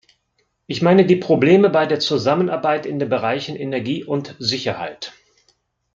Ich meine die Probleme bei der Zusammenarbeit in den Bereichen Energie und Sicherheit.